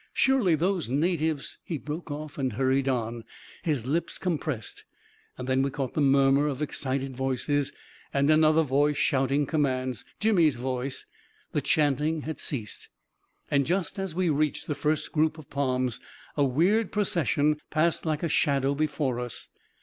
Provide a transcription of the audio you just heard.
Surely, those natives ••." 380 A KING IN BABYLON He broke off and hurried on, his lips compressed. Then we caught the murmur of excited voices, and another voice shouting commands — Jimmy's voice. The chanting had ceased •.. And just as we reached the first group of palms, a weird procession passed like a shadow before us.